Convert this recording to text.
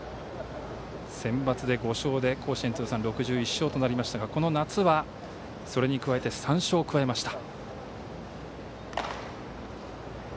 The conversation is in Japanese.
センバツで５勝で甲子園通算６１勝となりましたがこの夏は、それに加えて３勝を加えました。